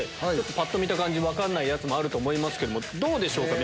ぱっと見た感じ分かんないやつもあると思いますけどもどうでしょうか？